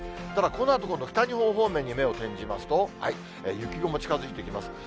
ただ、このあと、今度、北日本方面に目を転じますと、雪雲近づいてきます。